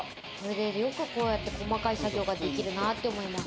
よく細かい作業ができるなって思います。